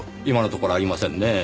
今のところありませんね。